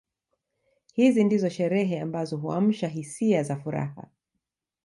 Hizi ndizo sherehe ambazo huamsha hisia za furaha